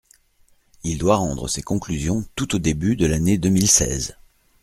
Il doit rendre ses conclusions tout au début de l’année deux mille seize.